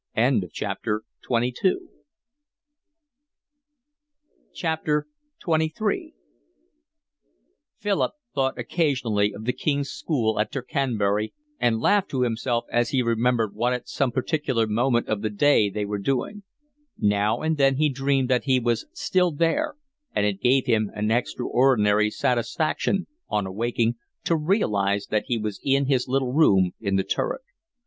XXIII Philip thought occasionally of the King's School at Tercanbury, and laughed to himself as he remembered what at some particular moment of the day they were doing. Now and then he dreamed that he was there still, and it gave him an extraordinary satisfaction, on awaking, to realise that he was in his little room in the turret.